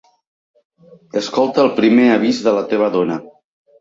Escolta el primer avís de la teva dona.